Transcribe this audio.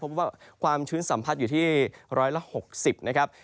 เพราะว่าความชื้นสัมผัสอยู่ที่๑๖๐นะครับ